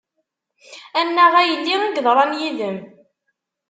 Annaɣ a yelli, i yeḍran yid-m.